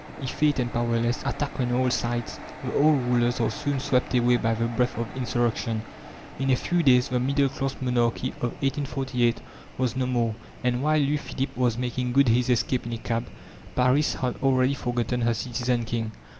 Effete and powerless, attacked on all sides, the old rulers are soon swept away by the breath of insurrection. In a few days the middle class monarchy of 1848 was no more, and while Louis Philippe was making good his escape in a cab, Paris had already forgotten her "citizen king."